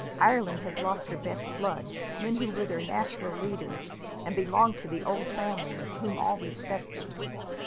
Ireland has lost her best blood, men who were her natural leaders, and belonged to the old families, whom all respected."